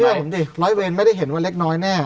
ให้ผมดิร้อยเวรไม่ได้เห็นว่าเล็กน้อยแน่